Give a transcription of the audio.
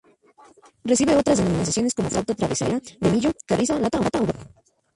Recibe otras denominaciones como flauta travesera de millo, carrizo, lata o bambú.